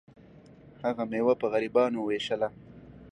هغه میوه په غریبانو ویشله.